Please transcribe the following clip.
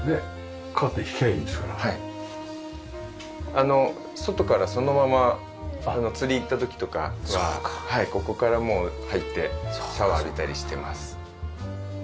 あの外からそのまま釣り行った時とかはここからもう入ってシャワー浴びたりしてます。